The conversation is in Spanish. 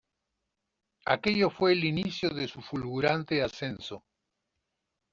Aquello fue el inicio de su fulgurante ascenso.